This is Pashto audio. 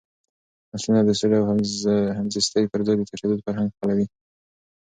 نسلونه د سولې او همزیستۍ پر ځای د تشدد فرهنګ خپلوي.